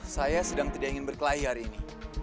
saya sedang tidak ingin berkelahi hari ini